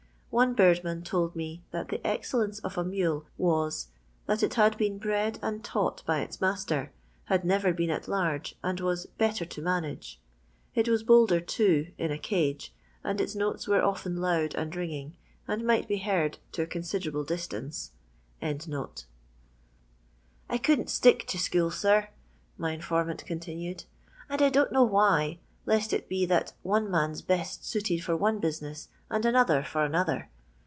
One birdman told me that the excellence of a mule was, that it had been bred and taught by its master, bad never been at large, and was " better to manage ;" it was bolder, too, in a cage, and its notes were often loud and ringing, and might be heard to a considerable distance.] " I couldn't stick to school, sir," my informant continued, "and I don't know why, lest it be that one man 's best suited for one business, and another for another.